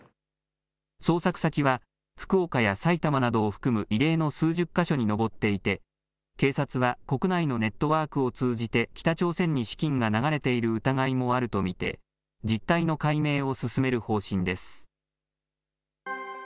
捜索先は、福岡や埼玉などを含む異例の数十か所に上っていて、警察は、国内のネットワークを通じて北朝鮮に資金が流れている疑いもあると見て、実態の解明を進める方針です。